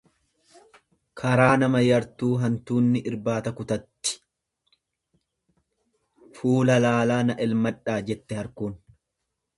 Karaa nama yartuu hantuunni irtbaata kutatti Fuula laalaa na elmadhaa jette harkuun.